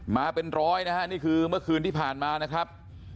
มาเป็นร้อยนะฮะนี่คือเมื่อคืนที่ผ่านมานะครับ